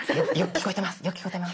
聞こえてます？